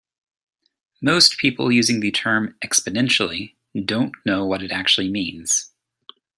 Most people using the term "exponentially" don't know what it actually means.